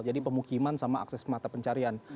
jadi pemukiman sama akses mata pencarian